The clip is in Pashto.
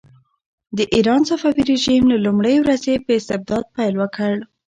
د ایران صفوي رژیم له لومړۍ ورځې په استبداد پیل وکړ.